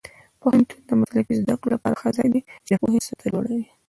پوهنتون د مسلکي زده کړو لپاره هغه ځای دی چې د پوهې سطح لوړوي.